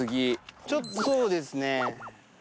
ちょっとそうですねぇ。